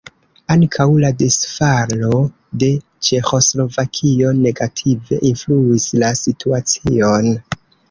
Ankaŭ la disfalo de Ĉeĥoslovakio negative influis la situacion.